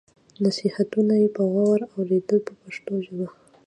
نصیحتونه یې په غور اورېدل په پښتو ژبه.